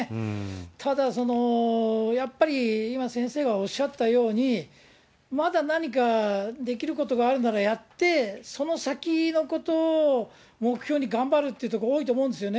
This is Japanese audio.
ただ、やっぱり今、先生がおっしゃったように、まだ何かできることがあるならやって、その先のことを目標に頑張るっていうところ、多いと思うんですよね。